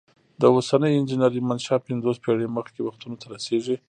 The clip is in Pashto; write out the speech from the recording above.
د اوسنۍ انجنیری منشا پنځوس پیړۍ مخکې وختونو ته رسیږي.